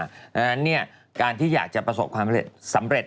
เพราะฉะนั้นการที่อยากจะประสบความสำเร็จ